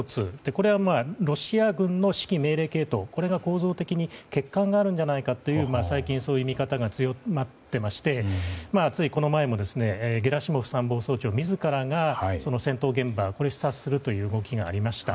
これはロシア軍の指揮命令系統構造的に欠陥があるのではないかという最近そういう見方が強まっていましてついこの前もゲラシモフ参謀総長自らが戦闘現場を視察するということがありました。